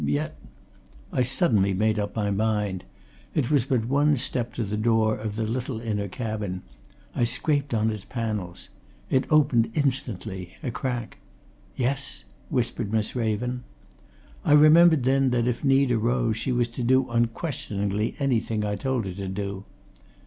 yet I suddenly made up my mind. It was but one step to the door of the little inner cabin I scraped on its panels. It opened instantly a crack. "Yes?" whispered Miss Raven. I remembered then that if need arose she was to do unquestioningly anything I told her to do.